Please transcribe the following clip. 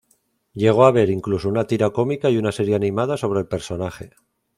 Llegó a haber incluso una tira cómica y una serie animada sobre el personaje.